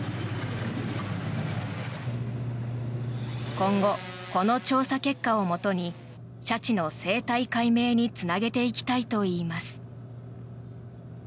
今後、この調査結果をもとにシャチの生態解明につなげていきたいといいます。